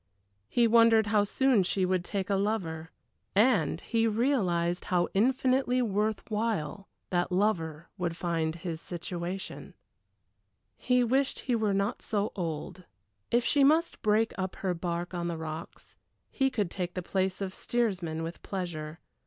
He wondered how soon she would take a lover and he realized how infinitely worth while that lover would find his situation. He wished he were not so old. If she must break up her bark on the rocks, he could take the place of steersman with pleasure.